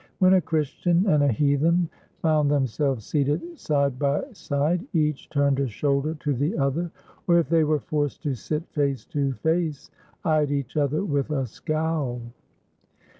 When a Christian and a heathen found themselves seated side by side, each turned a shoulder to the other, or, if they were forced to sit face to face, eyed each other with a scowl.